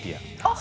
あ！